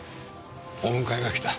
お迎えが来た。